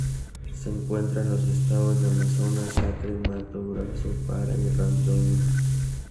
Se encuentra en los estados de Amazonas, Acre, Mato Grosso, Pará y Rondônia.